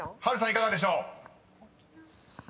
いかがでしょう？］